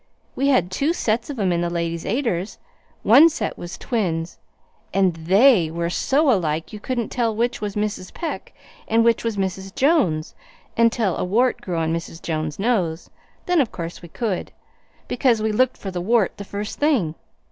We had two sets of 'em in the Ladies' Aiders. One set was twins, and THEY were so alike you couldn't tell which was Mrs. Peck and which was Mrs. Jones, until a wart grew on Mrs. Jones's nose, then of course we could, because we looked for the wart the first thing.